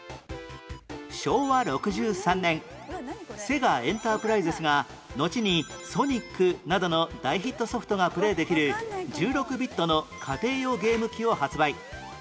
昭和６３年セガ・エンタープライゼスがのちに『ソニック』などの大ヒットソフトがプレーできる１６ビットの家庭用ゲーム機を発売